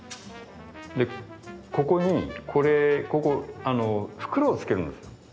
でここにこれ袋をつけるんですよ。